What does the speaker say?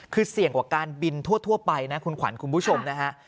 คือเสี่ยงกว่าการบินทั่วไปนะคุณขวัญคุณผู้ชมนะฮะ